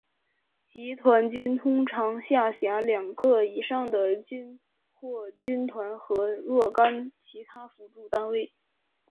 集团军通常下辖两个以上的军或军团和若干其他辅助单位。